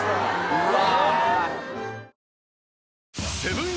うわ！